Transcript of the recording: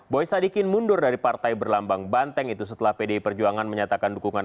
boy sadikin mundur dari partai berlambang banteng itu setelah pdi perjuangan menyatakan dukungan